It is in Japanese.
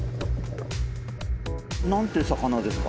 何ていう魚ですか？